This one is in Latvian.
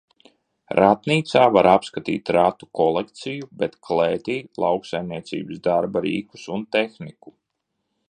Ratnīcā var apskatīt ratu kolekciju, bet klētī – lauksaimniecības darba rīkus un tehniku.